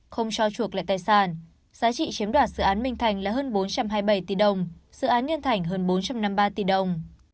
không cho chuộc lại tài sản giá trị chiếm đoạt dự án minh thành là hơn bốn trăm hai mươi bảy tỷ đồng dự án nhân thành hơn bốn trăm năm mươi ba tỷ đồng